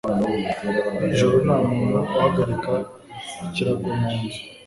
N’ijoro nta muntu uhagarika ikirago mu nzu